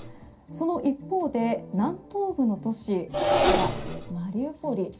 その一方で南東部の都市マリウポリ。